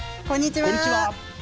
こんにちは。